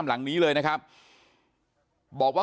นางมอนก็บอกว่า